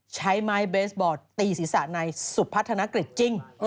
ใช้ไม้เบสบอลตีศีรษะในสุพัฒนกฤทธิ์จริง